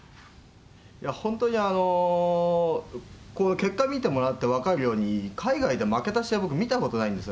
本当に結果見てもらって分かるように、海外で負けた試合、見たことないんですよ。